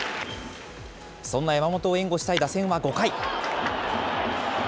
そんな山本を援護したい打線は５回。